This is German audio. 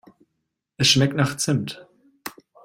Es schmeckt nach Zimt.